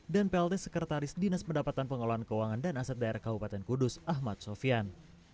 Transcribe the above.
dan plt sekretaris dinas pendapatan pengelolaan keuangan dan aset daerah kabupaten kudus ahmad sofian